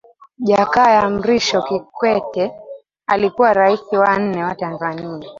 jakaya mrisho kikwete alikuwa rais wa nne wa tanzania